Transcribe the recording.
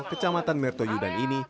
kecamatan mertoyudan ini